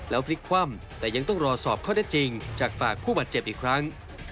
พลิกคว่ำแต่ยังต้องรอสอบข้อได้จริงจากปากผู้บาดเจ็บอีกครั้ง